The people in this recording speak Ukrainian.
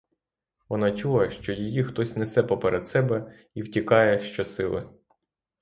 Вона чула, що її хтось несе поперед себе і втікає щосили.